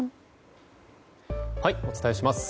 お伝えします。